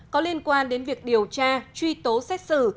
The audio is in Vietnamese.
có liên quan đến việc điều tra truy tố xét xử